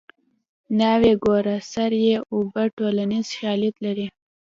ناوې ګوره سر یې اوبه ټولنیز شالید لري